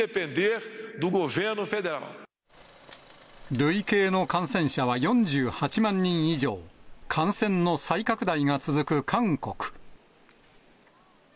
累計の感染者は４８万人以上、感染の再拡大が続く